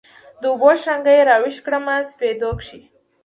د اوبو شرنګي راویښ کړمه سپېدو کښي